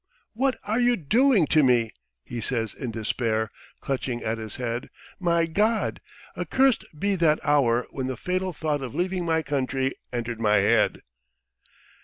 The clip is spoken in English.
"What are you doing to me?" he says in despair, clutching at his head. "My God! accursed be that hour when the fatal thought of leaving my country entered my head!